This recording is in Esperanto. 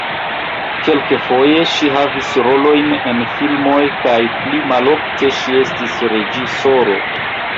Kelkfoje ŝi havis rolojn en filmoj kaj pli malofte ŝi estis reĝisoro.